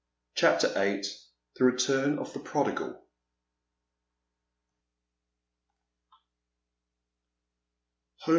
CHAPTER VIII. THE BETDBN OF THE PRODIGAL.